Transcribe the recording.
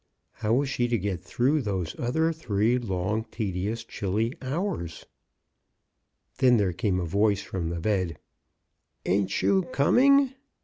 How was she to get through those other three long, tedious, chilly hours? Then there came a voice from the bed, — "Ain't you coming?"